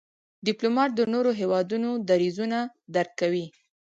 ډيپلومات د نورو هېوادونو دریځونه درک کوي.